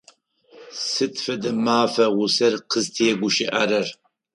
Сыд фэдэ мафа усэр къызтегущыӏэрэр?